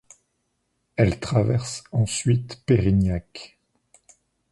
Elle traverse ensuite Payrignac.